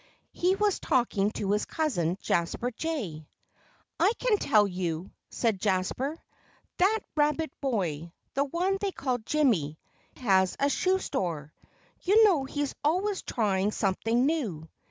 He was talking to his cousin, Jasper Jay. "I can tell you," said Jasper. "That Rabbit boy the one they call Jimmy has a shoe store. You know he's always trying something new.